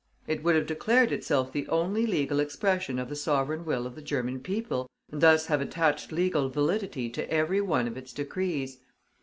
It would have declared itself the only legal expression of the sovereign will of the German people, and thus have attached legal validity to every one of its decrees.